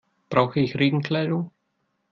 Brauche ich Regenkleidung?